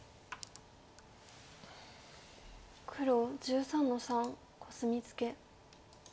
黒１３の三コスミツケ。